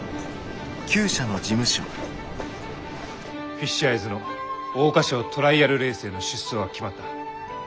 フィッシュアイズの桜花賞トライアルレースへの出走が決まった。